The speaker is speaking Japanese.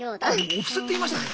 お布施って言いましたね。